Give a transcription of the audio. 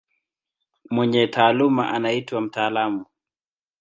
Mwenye taaluma anaitwa mtaalamu.